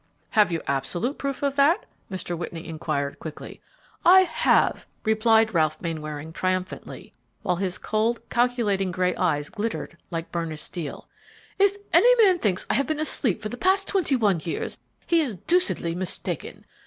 "Have you absolute proof of that?" Mr. Whitney inquired, quickly. "I have," replied Ralph Mainwaring, triumphantly, while his cold, calculating gray eyes glittered like burnished steel. "If any man thinks I have been asleep for the past twenty one years, he is deucedly mistaken.